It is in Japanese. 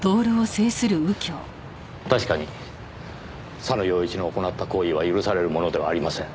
確かに佐野陽一の行った行為は許されるものではありません。